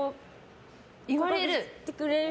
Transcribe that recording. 言われる？